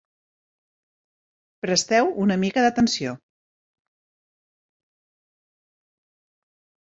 Presteu una mica d'atenció.